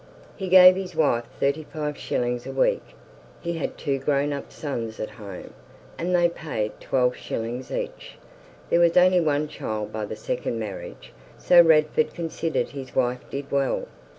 He gave his wife thirty five shillings a week. He had two grown up sons at home, and they paid twelve shillings each. There was only one child by the second marriage, so Radford considered his wife did well.